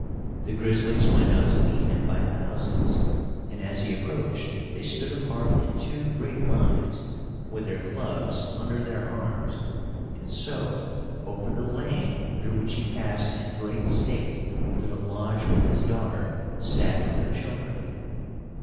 The grizzlies went out to meet him by thousands; and as he approached they stood apart in two great lines, with their clubs under their arms, and so opened a lane through which he passed in great state to the lodge where his daughter sat with her children.